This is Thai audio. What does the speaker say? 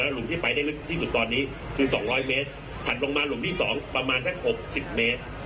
หุมที่ไปได้ลึกที่สุดตอนนี้คือ๒๐๐เมตรถัดลงมาหลุมที่๒ประมาณสัก๖๐เมตร